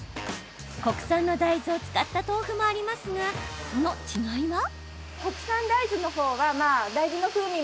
国産の大豆を使った豆腐もありますが、その違いは？